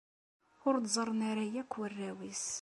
Ur t-ẓerren ara akk warraw-nnes.